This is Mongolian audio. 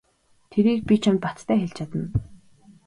Тэрийг би чамд баттай хэлж чадна.